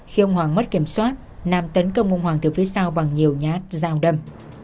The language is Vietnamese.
khi ông hoàng mất kiểm soát nam tấn công ông hoàng từ phía sau bằng nhiều nhát dao đâm